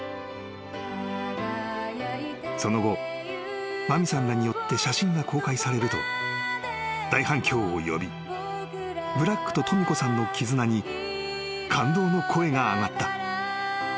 ［その後麻美さんらによって写真が公開されると大反響を呼びブラックととみ子さんの絆に感動の声が上がった］